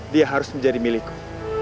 dia harus menjadi milikku